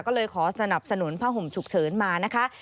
ก็เลยขอสนับสนุนผ้าห่มฉุกเฉินมานะคะ